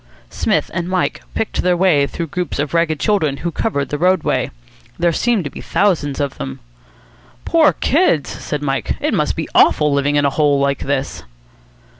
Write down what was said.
Psmith and Mike picked their way through the groups of ragged children who covered the roadway. There seemed to be thousands of them. "Poor kids!" said Mike. "It must be awful living in a hole like this."